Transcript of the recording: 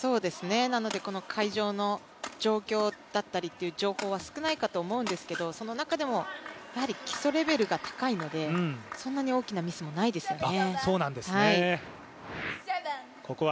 なのでこの会場の状況だったりっていう情報は少ないかと思うんですけどその中でも基礎レベルが高いので、そんなに大きなミスもないですね。